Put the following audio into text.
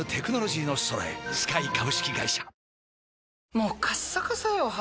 もうカッサカサよ肌。